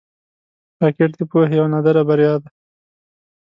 راکټ د پوهې یوه نادره بریا ده